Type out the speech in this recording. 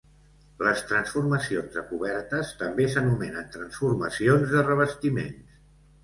Les transformacions de cobertes també s'anomenen transformacions de revestiments.